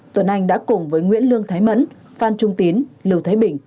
tuấn anh đã cùng với nguyễn lương thái mẫn phan trung tín lưu thế bình